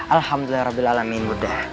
alhamdulillah rabbil alamin